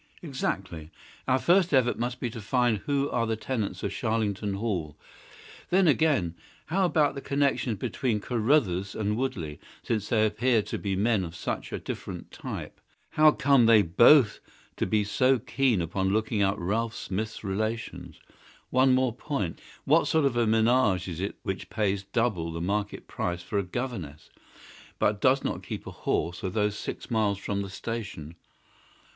"Exactly. Our first effort must be to find who are the tenants of Charlington Hall. Then, again, how about the connection between Carruthers and Woodley, since they appear to be men of such a different type? How came they BOTH to be so keen upon looking up Ralph Smith's relations? One more point. What sort of a MENAGE is it which pays double the market price for a governess, but does not keep a horse although six miles from the station?